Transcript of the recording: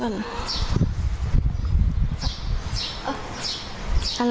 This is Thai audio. กลับไปกัน